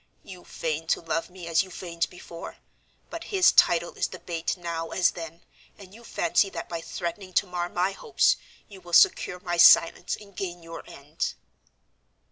You feign to love me as you feigned before, but his title is the bait now as then, and you fancy that by threatening to mar my hopes you will secure my silence, and gain your end."